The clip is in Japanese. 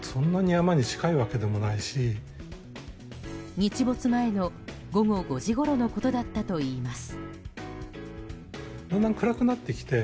日没前の午後５時ごろのことだったといいます。